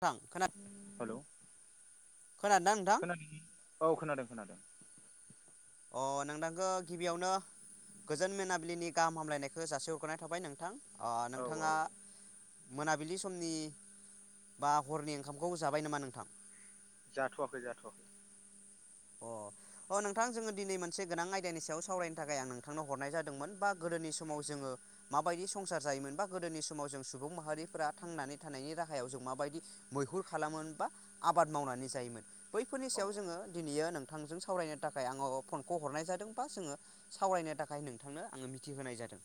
थां खोना हेलौ खोनादोंना नोंथां खोनादों औ खोनादों खोनादों। अ नोंथांखौ गिबियावनो गोजोन मोनाबिलिनि गाहाम हामलायनायखौ जासिहरग्रोनाय थाबाय नोंथां अ औ औ नोंथाङा मोनाबिलि समनि बा हरनि ओंखामखौ जाबाय नामा नोंथां? जाथ'वाखै जाथ'वाखै। अ। अ नोंथां जोङो दिनै मोनसे गोनां आयदानि सायाव सावरायनो थाखाय आं नोंथांनाव हरनाय जादोंमोन बा गोदोनि समाव जों ङो माबायदि संसार जायोमोन बा गोदोनि समाव जों सुबुं माहारिफोरा थांनानै थानायनि राहायाव जों माबादि मैहुर खालामोन बा आबाद मावनानै जायोमोन बैफोरनि औ सायाव जोङो दिनैयो नोंथांजों सावरायनो थाखाय आङो फनखौ हरनाय जादों बा जोङो सावरायनो थाखाय नोंथांनो आङो मिथिहोनाय जादों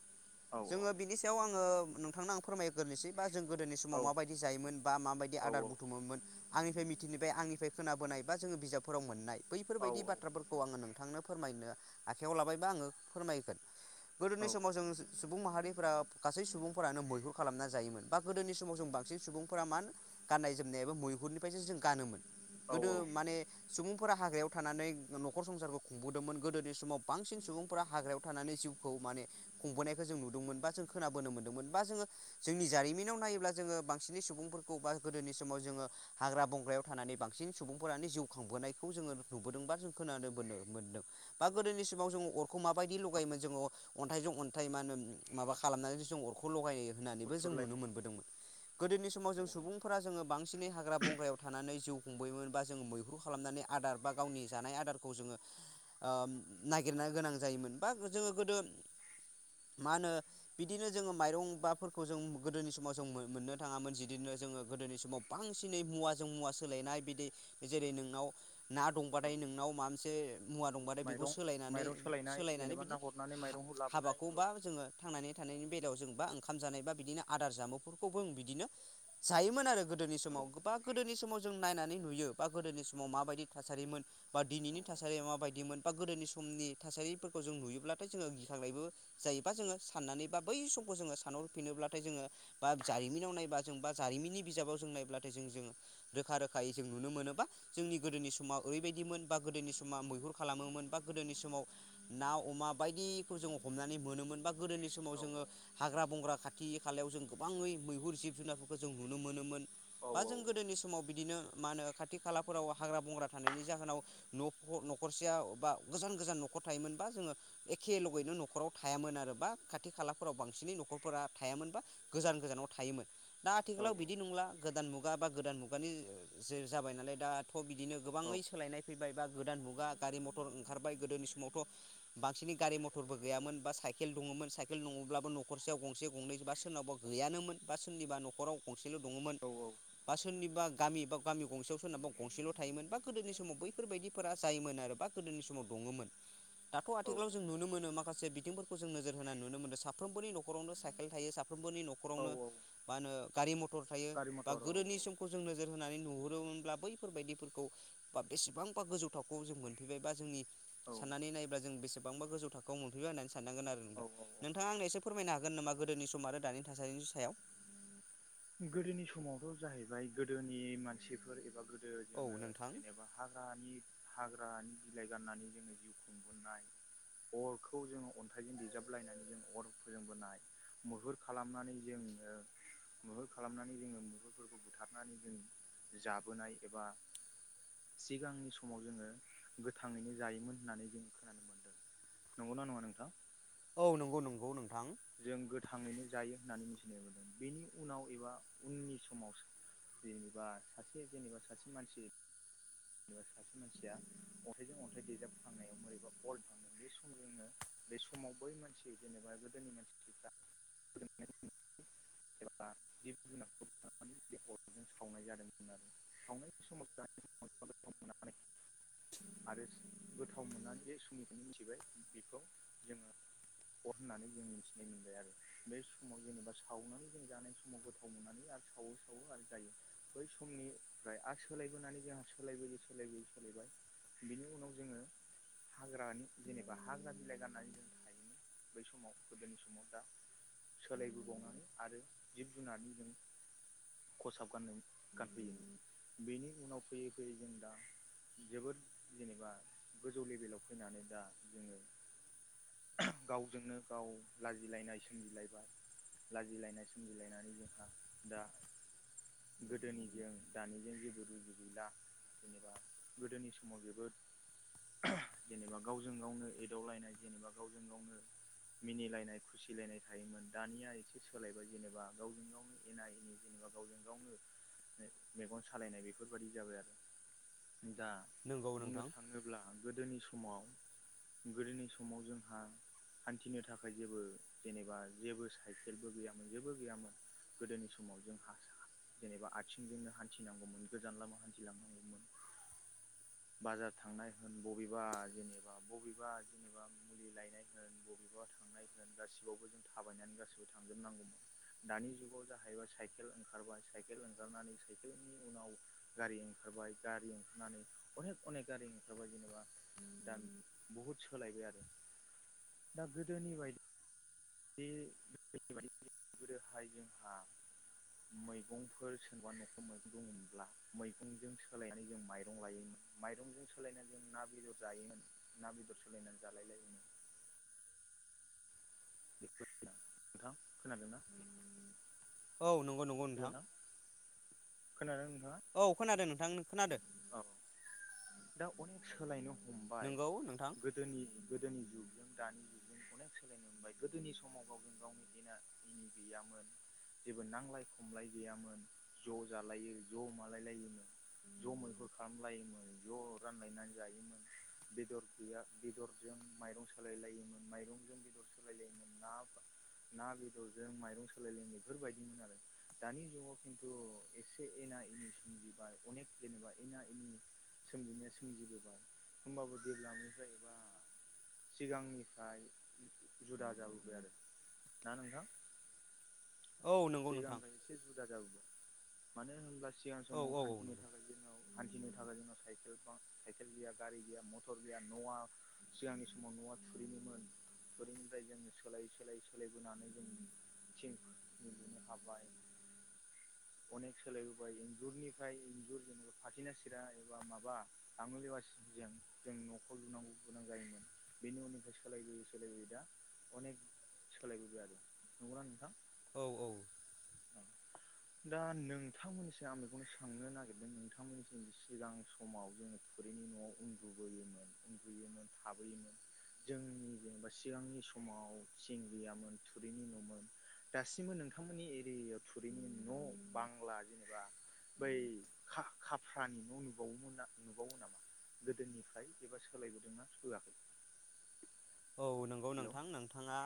औ जोङो बिनि सायाव आङो नोंथांनो आं फोरमायग्रोनोसै बा जों गोदोनि समाव औ माबायदि जायोमोन बा माबायदि औ आदार बुथुमोमोन आंनिफ्राय मिथिनिबाय आंनिफ्राय खोनाबोनाय बा जोङो बिजाबफोराव मोननाय औ बैफोरबायदि बाथ्राफोरखौ आङो नोंथांनो फोरमायनो आखाइयाव लाबायबा आङो फोरमायगोन औ गोदोनि समाव जों सु-सुबुं माहारि ओ गासै सुबुंफोरानो मैहुर खालामना जायोमोन बा गोदोनि समाव जों बांसिन सुबुंफोरा मान गाननाय जोमनाय याबो मैहुरनिफ्रायसो जों गानोमोन गोदो औ माने सुबुंफोरा हाग्रायाव थानानै नखर संसारखौ खुंबोदोंमोन गोदोनि समाव बांसिन सुबुंफोरा हाग्रायाव थानानै जि खौ माने खुंबोनायखौ जों नुदोंमोन बा जों खोनाबोनो मोनदोंमोन बा जोङो जोंनि जारिमिनाव नायोब्ला जों जोङो बांसिन सुबुंफोरखौ बा गोदोनि समाव जोङो हाग्रा बंग्रायाव थानानै बांसिन सुबुंफोरानो जिउ खांबोनायखौ जोङो नुबोदों बा जों खोनानोबोनो मोनदों बा गोदोनि समाव जों अरखौ माबायदि लगायोमोन जोङो अन्थाइजों अन्थाइ मा होनो माबा खालामनानैसो जों अरखौ लगायो होन्नानैबो जों नुनो हुथ्रुदलायनाय मोनबोदोंमोन गोदोनि समाव औ जों औ सुबुंफोरा जोङो बांसिनै हाग्रा बंग्रायाव थानानै जिउ खुंबोयोमोन बा जों मै हुर खालामनानै आदार बा गावनि जानाय आदारखौ जोङो ओ नागिरनो गोनां जायोमोन बा गो जोङो गोदो मा होनो बिदिनो जोङो माइरं बाफोरखौ जों गोदोनि समाव जों मोननो थाङामोन जिदिनो जोङो गोदोनि समाव बांसिनै मुवाजों मुवा सोलायनाय बिदि जेरै नोंनाव ना औ दंबाथाय नोंनाव मा मोनसे मुवा दंबाथाय बेखौ माइरं सोलायनानै माइरं सोलायनाय सोलायनानै जेनेबा बिदि ना हरनानै माइरंखौ लाबोनाय हाबाखौ औ औ बा जोङो थांनानै था बा बि ज बिनो ज गोदोनि समाव गोबा गोदोनि समाव जों नायनानै नुयो बा गोदोनि समाव माबायदि थासारिमोन बा दिनैनि थासारिया माबायदिमोन बा गोदोनि समनि थासारिफोरखौ जों नुयोब्लाथाय जोङो गिखांनायबो जायोबा जोङो साननानै बा बै समखौ जोङो सानहरफिनोब्लाथाय जोङो बा जारिमिनाव नायबा जों बा जारिमिननि बिजाबाव जों नायब्लाथाय जों जोङो रोखा रोखायै जों नुनो मोनो बा जोंनि गोदोनि समाव ओरैबायदिमोन गोदोनि समाव मैहुर खालामोमोन बा गोदोनि समाव ना अमा बायदिखौ जों हमनानै मोनोमोन बा गोदोनि औ समाव जोङो हाग्रा बंग्रा खाथि खाथि खालायाव जों गोबाङै मैहुर जिब जुनारफोरखौ जों नुनो मोनोमोन औ बा जों गोदोनि समाव बिदिनो मा होनो खाथि खालाफोराव हाग्रा बंग्रा थानायनि जाहोनाव न'-न'खरसेया बा गोजान गोजान नखर थायोमोन बा जोङो एखे लगैनो नखराव थायामोन आरो बा खाथि खालाफोराव बांसिनै नखरफोरा थायामोन बा गोजान गोजानाव थायोमोन दा आथिखालाव बिदि नंला गोदान मुगा बा गोदान मुगानि जे जाबाय नालाय दा खौ बिदिनो गोबाङै सोलायनाय फैबाय बा गोदान मुगा गारि मथर ओंखारबाय गोदोनि समावथ' बांसिनै गारि मथरबो गैयामोन बा साइकेल दङ मोन साइकेल नङब्लाबो नखरसेयाव गंसे गंनै बा सोरनावबा गैयानोमोन बा सोरनिबा नखराव गंसेल' दङमोन औ बा सोरनिबा गामि बा गामि गंसेयाव सोरनाबा गंसेल' थायोमोन बा गोदोनि समाव बैफोरबायदिफोरा जायोमोन आरो बा गोदोनि समाव दङोममोन दाथ' आथिखालाव जों नुनो मोनो माखासे जसे बिथिंफोरखौ जों नोजोर होनाय नुनो मोनदों साफ्रोमबोनि नखरनो साइेलायो साफ्र सफ्रोमनि औ न'खावनो औ मा होनो गारि मथर थायो गारि बा मथर औ गोदोनि समखौ जों नोजोर होनानै नुहुरो ब्ला बैफोरबायदिफोरखौ बा बेसेबांबा गोजौ थाखोआव जों मोनफिबाय बा जोंनि औ साननानै नायोबब्ला जों बेसेबांबा गोजौ थाखोआव मोनफैगबाय होननानै साननांगोन आरो नों दा औ औ नोंथां आंनो एसे फोरमायनो हागोन हागोन नामा गोदोनि सम आरो दानि थासारिनि सायाव गोदोनि समावथ' जाहैबाय गोदोनि मानसिफोर एबा गो गोदो औ जोङो नोंथां जेनेबा हाग्रानि हाग्रानि बिलाइ गाननानै जोङो जिउ खुंबोनाय अरखौ जोङो अन्थाइजों दजाबलायनानै जों अर फजोंोंबोनाय मुहुर खालामनानै जोङो मुहुर खालामनानै जोङो मुहुरफोरखौ बुथारनानै जों जाबोनाय एबा सिगांनि समाव जोङो गोथाङैनो जायोमोन होननानै जों खोनानो मोनदों। नंगौना नंङा नोंथां? नंगौ नंगौ नंगौ नों जों गोथाङैनो जायो होननानै मिथिनो मोनदों बेनि उनाव एबा उननि समाव जेनेबा सासे जेनेबा सासे मानसि जेनेबा सासे मानसिया अन्थाइजों अन्थाइ देजाबखांनायाव बोरैबा अर थांनाय बे समजोंनो बे समाव बै मानसि जेनेबा गोदोनि मानसिफ्रा [inaudible] आं जिब जुनार बे अरजों सावनाय जादोंमोन आरो। [unintelligible] [inaudible] आरो गोथाव मोननानै जे समनिफ्रायनो मिथिबाय बेखौ जोङो अर होननानै जों मिथिनाय मोनबाय आरो बे समाव जेनेबा सावनानै जों जानाय समाव गोथाव मोननानै आरो सावो सावो आरो जायो बै समनिफ्राय आरो सोलाय बोनानै जोंहा सोलायबोयै सोलायबोयै सोलायबाय बिनि उनाव जोङो हाग्रानि जेनेबा हाग्रा बिलाइ गाननानै जों थायोमोन। बै समाव गोदोनि समाव दा सोलायबोबावनानै आरो जिब जुनारनि जों खसाब गाननाय गानफैयो बेनि उनाव फैयै फैयै जों दा जोबोद जेनेबा गोजौ लेभेलाव फैनानै दा जोङो गावजोंनो गाव लाजिलायनाय सोमजिलायबाय लाजिलायनाय सोमजिलायनानै जोंहा दा गोदोनिजों दानिजों जेबो रुजु गैला। जेनेबा गोदोनि समाव जोबोद जेनेबा गावजों गावनो एदावलायनाय जेनेबा गावजों गावनो मिनिलायनाय खुसिलायनाय थायोमोन दानिया एसे सोलायबाय जेनेबा गावजों गावनो एना एनि जेनेबा गावजों गावनो मेगन सालायनाय बेफोरबायदि जाबाय आरो। दा नंगौ बुंनो नोंथां थाङोब्ला गोदोनि समाव गोदोनि समाव जोंहा हान्थिनो थाखाय जेबो जेनेबा जेबो साइ खेलबो गैयामोन जेबो गैयामोन गोदोनि समाव जोंहा जेनेबा आथिंजोंनो हान्थिनांगौमोन गोजान लामा हान्थिलांनांगौमोन। [inaudible] बाजार थांनाय होन बबेबा जेनेबा बबेबा जेनेबा मुलि लायनाय होन बबेबा थांनाय होन गासिबावबो जों थाबायनानै गासिबो थांजोबनांगौमोन। दानि जुगाव जाहैबाय साइकेल ओंखारबाय साइकेल ओंखारनानै साइकेलनि उनाव गारि ओंखा रबाय गारि ओंखारनानै अनेक अनेक गारि ओंखारबाय जेनेबा दा बुहुत सोलायबाय दा गोदोनि बायदि बे ग [unintelligible] गोदोनाय जोंहा मैगंफोर सोरबा न'खराव मैगं दंमोनब्ला मैगंजों सोलायनानै जों माइरं लायोमोन। माइरंजों सोलायनानै जों ना बेदर जायोमोन ना बेदर सोलायनानै जालाय लायोमोन। [inaudible] [unintelligible] नोंथां खोनादोंना? औ नंगौ नंगौ नोंथां। खोनादों नोंथाङा औ खोनादों नोंथां खोनादों। औ दा अनेक सोलायनो हमबाय नंगौ नोंथां गोदोनि गोदोनि जुग जों दानि जुगजजों अनेक सोलायनो मोनबाय गोदोनि समाव गावजों गावनि एना एनि गैयामोन। जेबो नांलाय खमलाय गैयामोन। ज' जालायो ज' मालाय लायोमोन ज' मैहुर खालामलायोमोन ज' रानलायनानै जायो [inaudible] बेदर गैया बेदरजों माइरं सोलाय लायोमोन माइरंजों बेदर सालायलायोमोन ना ना बेदरजों माइरं सोलायल बेफोरबायदिमोन आरो दानि जुगाव खिुन तु एसे एना एनि संगिब अनेक जेनेबा एना एनि सोमजिनाया सोमजिबोबाय होमबाबो देभब्लापनिफ्राय एबा सिगांनिफ्राय जुदा जाबोबाय आरो ना नोंथां औ नंगौ नोंथां सिगांनिफ्राय एसे जुदा जाबोबाय मानो होनब्ला सिगां औ समाव औ औ सान्थिनो नंगौ थाखाय जोंनाव [inaudible] नाथाय जोंनाव साइकेल पा साइेल गैया गारि गैया मथर गैया न'आ सिगांनि समाव न'आ थुरिनि [inaudible] थुरिनिफ्राय जों सोलायै सोलायै सोलायबोनानै जोंनि थिं मिदिनो हाबाय [inaudible] अनेक सोलायबोबाय इन्जुरनिफ्राय इन्जुर जेनेबा फाथैना सिरा एबा माबा आङुलवासि जों जों न'खर लुनांगौ गोनां जायोमोन बेनि उननिफ्रायाय सोलायबोयै सोलायबोयै दा अनेक सोलायबोबाय आरो नंगौना नोंथां? औ औ औ दा नोंथांमोननिसिम आं बेखौनो सोंनो नागिरदों नोंथांमोननिसिम सिगां समाव जोङो थुरैनि न'आव उन्दुबोयोमोन उन्दुयोमोन थाबोयोमोन जोंनि जेनेबा सिगांनि समाव थिं गैयामोन थुरिनि न'मोन दासिमबो नोंथांमोननि एरियायाव थुरिनि न' बांला जेनेबा बै खा-खाफ्रानि न' नुबावोमोनना नुबावो नामा गोदोनिफ्राय एबा सोलायबोदोंना सोआखै औ नंगौ नोंथां नोंथाङा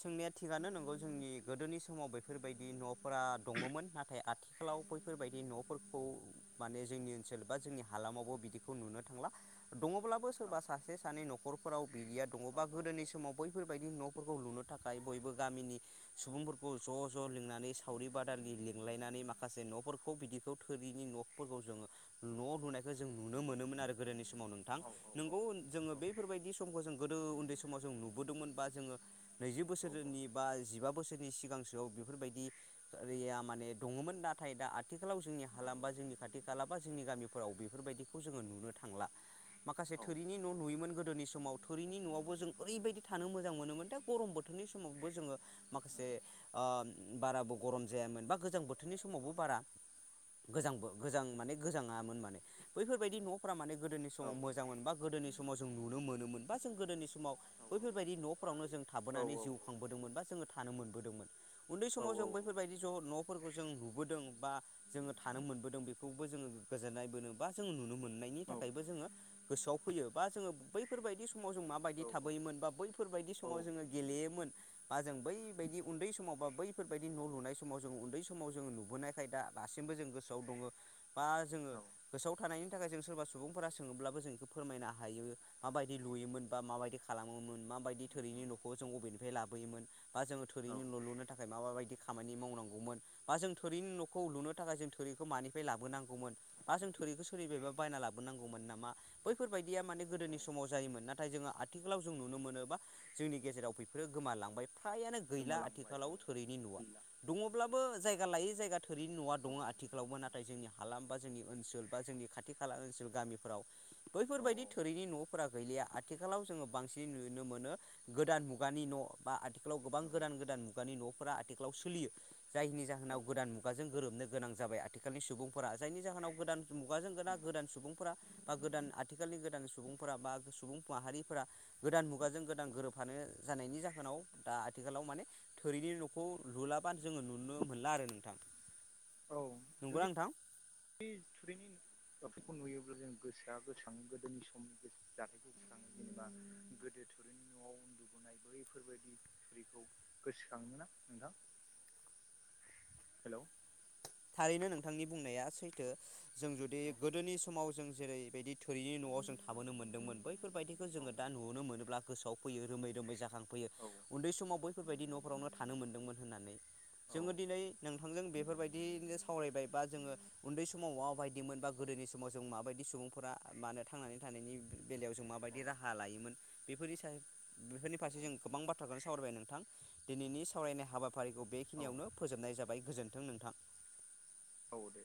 सोंनाया थिगानो नंगौ जोंनि गोदोनि समाव बेफोरबायदि न'फोरा दङ'मोन नाथाय आथिखालाव बैफोरबायदि न'फोरखौ माने जोंनि ओनसोल बा जोंनि हालामावबो बिदिखौ नुनो थांला दङ'ब्लाबो सोरबा औ सासे सानै न'खरफोराव बिदिया औ दङ'बा गोदोनि समाव बैफोरबायदि न' फोरखौ लुनो थाखाय बयबो गामिनि सुबुंफोरखौ ज' ज' लिंनानै सावरि बादालि लिंलायनानै माखासे बिदिखौ थिनि न'फोरखौ जों न' लुनायखौ जों नुनो मोनोमोन आरो गोदोनि सम माव नोंथां औ नोंगौ जोङो बेफोरबायदि समखौ जों गोदो उन्दै समाव जों नुबोदोंमोन बा जोङो नैजि औ बोसोरनि बा जिबा बोसोरनि नि सिगांसोआव बेफोरबायदिया माने दङ'मोन नाथाय दा आथि खालाव जोंनि हालाम बा जोंनि खाथि खाला बा जोंनि गामिफोराव बेफोरबायदिखौ जोङो नुनो थांला माखासे थोरिनि न' नुयोमोन गोदोनि समाव थोरिनि न'आवबो जों ओरैबायदि थानो मोजां मोनोमोन दा गरम बोथोरनि समावबो जोङो माखासे ओ बाराबो गरम जायामोन बा गोजां बोथोरनि समावबो बारा गोजांबो गोजां माने गोजाङामोन माने बैफोरबायदि न'फोरा माने गोदोनि समाव औ मोजां मोन बा गोदोनि समाव जों नुनो मोनोमोन बा जों गोदोनि समाव औ औ औ बैफोरबायदि न'फ्रावनो जों औ थाबोनानै जिउ खांबोदोंमोन बा जोङो थानो मोनबोदोंमोन उनदै समाव जों बैफोरबायदि ज' न' फोरखौ जों नुबोदों बा जोङो थानो मोनबोदों बेखौबो जोङो गोजोननाय बा जों नुनो मोननाय बिनि थाखायबो गोसोयाव फैयो बा जों बैफोर बादि सुबुं समाव जों औ माबायदि थाबोयोमोन बा बैफोरबायदि समाव जोङो गेलेयोमोन बा जों बैबायायदि उनदै समाव बा बैफोरबायदि न' लुनाय समाव जों उनदै समाव जोङो नुबोनायखाय दा दासिम जों गोसोआव दङ' बा जोङो गोसोआव थानायनि थाखाय जों सोरबा सुबुंफोरा सोङोब्लाबो जों बेखौ फोरमायनो हायो माबायदि लुयोमोन बा माबायदि खालामोमोन माबायदि थोरैनि न'खौ जों बबेनिफ्राय लाबोयोमोन बा जोङो थुरिनि न' लुनो थाखाय माबा बायदि खामानि मावनांगौमोन बा जों थोरिनि न'खौ लुनो थाखाय जों थोरिखौ मानिफ्राय लाबोनांगौमोन बा जों सोरखौ सोरबा बायना लाबोनांगौमोन नामा बैफोरबायाददिया माने गोदोनि समाव जायोमोन नाथाय जोङो आथिखालाव जों नुनो मोनोबा जोंनि गेजेराव बेफोरो गोमालांबाय फ्रायानो गैला गोमालांबाय औ आथिखालाव थोरैनि न'आ गैला दङ'ब्लाबो जाय जायगा लायै जायगा थोरिनि न'आ औ दङ आथिखालावबो नाथाय जोंनि हा बा जोंनि ओनसोल जोंनि खाथि खाला ओनसोल गामि औ बैफोरबायदि थोरैनि न'फोरा गैलिया। आथिखालाव जोङो बां नुनो मोनो गोदान मुगानि न' बा आथिखालाव गोबां औ गोदान गोदान मुगानि न' आथिखालाव सोलियो जायनि जाहोनाव गोदान औ मुगाजों गोरोबनो गोनां जाबाय आथिखालनि सुबुंफोरा। जायनि जाहोनाव गोदान मुगाजों गोदान गोदान सुबुंफोरा बा गोदान आथिखाल गोदान सुबुं बा सुबुं माहारिफोरा गोदान मुगाजों गोदान गोरोबफानो जानायनि जाहोनाव दा आथिखालाव माने थोरिनि न'खौ लुलाबा जोङो नुनो मोनला आरो नोंथां। नंगौना नोंथां? थोरिनि न' बेफोरखौ नुयोब्ला जों गोसोआ गोसोखाङो गोदोनि समनि जाथायखौ गोसोखाङो जेनेबा गोदो थुरिनि न'आव उनदुबोनाय बैफोरबायदि थुरिखौ गोसोखाङोमोना नोंथां [unintelligible] हेल'। थारैनो नोंथांनि बुंनाया सैथो जों जुदि औ गोदोनि समाव जों जेरैबायदि थोरिनि न'आव जों थाबोनो मोन्दोंमोन बैफोरबायदिखौ औ जोङो दा नुनो मोनोब्ला गोसोआव फैयो रोमै रोमै जाखां फैयो। औ उनदै समाव बैफोरबायदि न'फोरावनो थानो मोनदोंमोन होननानै। औ जोङो दिनै नोंथांजों बेफोरबायदि सावरायबाय बा जोङो उनदै समाव न'आ बायदिमोन बा गोदोनि समाव जों माबायदि सुबुंफोरा मानो थांनानै थानायनि बेलायाव जों माबायदि राहा लायोमोन बेफोरनि सायाव बेफोरनि औ फारसे जों गोबां बाथ्राखौनो सावरायबाय नोंथां। नोंथां दिनैनि सावरायनाय हाबाफारिखौ औ बेखिनियावनो फोजोबनाय जाबाय गोजोनथों नोंथां। अ दे।